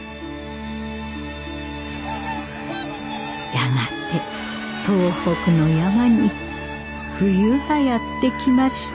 やがて東北の山に冬がやって来ました。